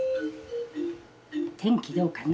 天気どうかな？